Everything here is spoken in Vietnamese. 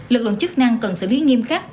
lực lượng chức năng cần xử lý nghiêm khắc